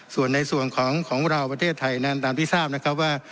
ส่วนในส่วนของของเราประเทศไทยนั้นตามที่ทราบนะครับว่า